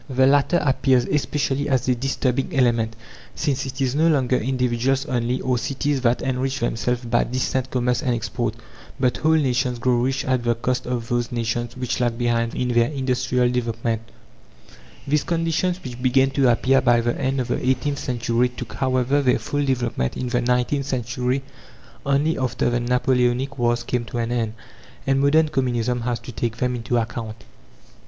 The latter appears especially as a disturbing element, since it is no longer individuals only, or cities, that enrich themselves by distant commerce and export; but whole nations grow rich at the cost of those nations which lag behind in their industrial development. These conditions, which began to appear by the end of the eighteenth century, took, however, their full development in the nineteenth century only, after the Napoleonic wars came to an end. And modern Communism has to take them into account.